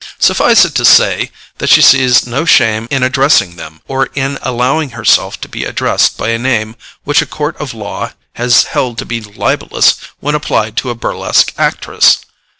Suffice it to say, that she sees no shame in addressing them, or in allowing herself to be addressed by a name which a Court of law has held to be libellous when applied to a burlesque actress.